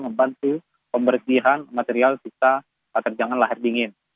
membantu pemberihan material sisa kerjangan lahir dingin